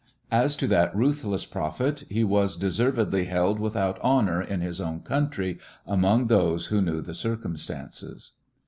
As to that ruthless prophet, he was deservedly held without honor in his own country among those who knew the circum stances.